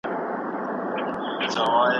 ټولنیز نهاد د ټولنې د ګډ فکر نښه ده.